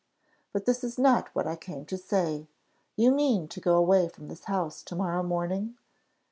But this is not what I came to say. You mean to go away from this house to morrow morning?"